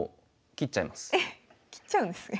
切っちゃうんですね。